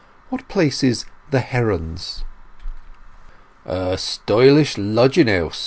"What place is The Herons?" "A stylish lodging house.